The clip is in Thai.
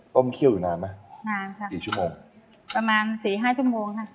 เคี่ยวอยู่นานไหมนานค่ะกี่ชั่วโมงประมาณสี่ห้าชั่วโมงค่ะ